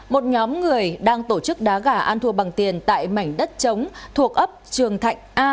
một nhóm người đang tổ chức đá gà ăn thua bằng tiền tại mảnh đất chống thuộc ấp trường thạnh a